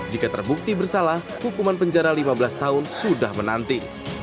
jika terbukti bersalah hukuman penjara lima belas tahun sudah menanti